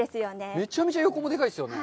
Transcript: めちゃめちゃ横がでかいですよね。